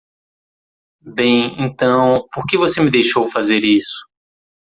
"Bem, então? por que você me deixou fazer isso?"